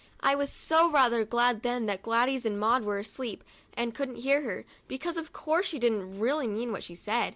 I was rather glad then that Gladys and Maud were asleep and couldn't hear her, because, of course, she didn't really mean what she said.